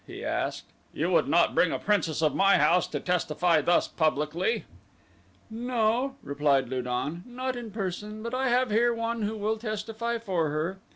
he asked. "You would not bring a princess of my house to testify thus publicly?" "No," replied Lu don, "not in person, but I have here one who will testify for her."